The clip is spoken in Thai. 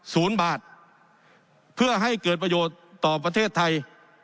ศูนย์บาทเพื่อให้เกิดประโยชน์ต่อประเทศไทย